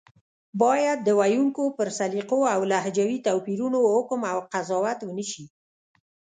بايد د ویونکو پر سلیقو او لهجوي توپیرونو حکم او قضاوت ونشي